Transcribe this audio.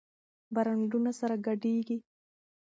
برانډونه سره ګډېږي.